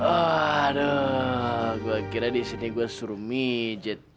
aduh gue kira disini gue suruh pijat